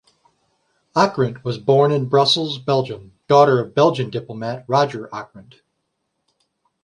Ockrent was born in Brussels, Belgium, daughter of Belgian diplomat Roger Ockrent.